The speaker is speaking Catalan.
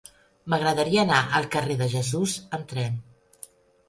M'agradaria anar al carrer de Jesús amb tren.